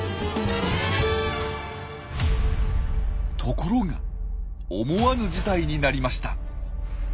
ところが思わぬ事態になりました。